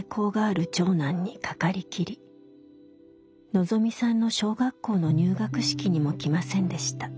のぞみさんの小学校の入学式にも来ませんでした。